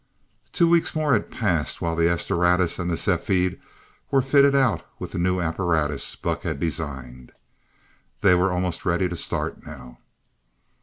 Two weeks more had passed, while the "S Doradus" and the "Cepheid" were fitted out with the new apparatus Buck had designed. They were almost ready to start now.